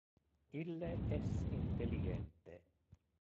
Ille es intelligente.